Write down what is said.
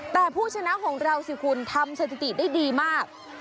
แต่ผู้ชนะของเราสิคุณทำสถิติได้ดีมาก